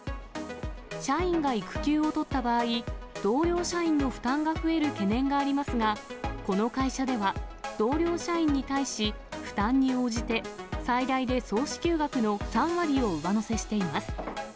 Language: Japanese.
社員が育休を取った場合、同僚社員の負担が増える懸念がありますが、この会社では同僚社員に対し、負担に応じて、最大で総支給額の３割を上乗せしています。